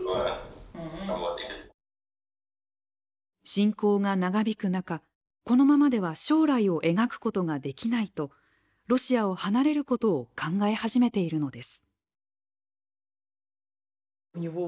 侵攻が長引く中このままでは将来を描くことができないとロシアを離れることを考え始めているのです。